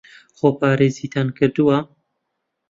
خۆپارێزیتان کردووە؟